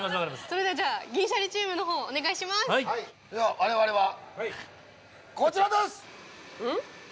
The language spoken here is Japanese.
それでは銀シャリチームのほうお願いしますでは我々はこちらです！